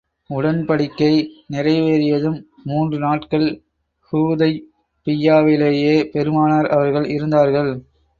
உடன்படிக்கை நிறைவேறியதும், மூன்று நாட்கள் ஹூதைபிய்யாவிலேயே பெருமானார் அவர்கள் இருந்தார்கள்.